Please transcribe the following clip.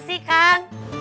terima kasih kang